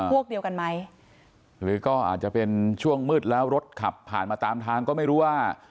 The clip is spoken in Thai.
พวกเดียวกันไหมหรือก็อาจจะเป็นช่วงมืดแล้วรถขับผ่านมาตามทางก็ไม่รู้ว่า